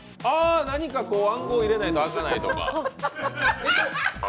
何か暗号を入れないと開かないとか。